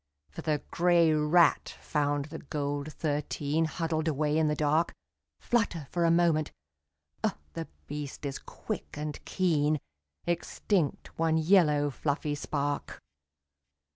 For the grey rat found the gold thirteen Huddled away in the dark, Flutter for a moment, oh the beast is quick and keen, Extinct one yellow fluffy spark.